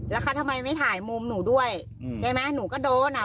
แล้วเขาทำไมไม่ถ่ายมุมหนูด้วยใช่ไหมหนูก็โดนอ่ะ